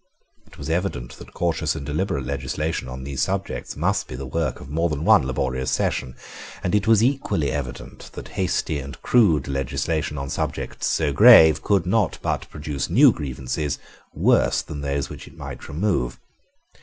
It was evident that cautious and deliberate legislation on these subjects must be the work of more than one laborious session; and it was equally evident that hasty and crude legislation on subjects so grave could not but produce new grievances, worse than those which it might remove.